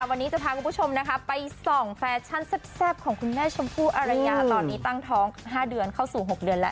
วันนี้จะพาคุณผู้ชมนะคะไปส่องแฟชั่นแซ่บของคุณแม่ชมพู่อารยาตอนนี้ตั้งท้อง๕เดือนเข้าสู่๖เดือนแล้ว